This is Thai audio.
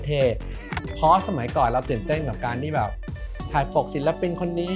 เพราะสมัยก่อนเราตื่นเต้นกับการที่แบบถ่ายปกศิลปินคนนี้